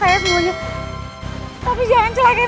aku tempat yang mungkin banyak lagi